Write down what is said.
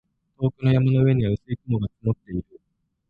遠くの山の上には薄い雪が積もっている